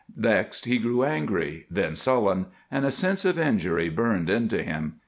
Next he grew angry, then sullen, and a sense of injury burned into him.